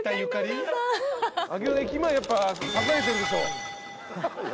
上尾駅前やっぱ栄えてるでしょ。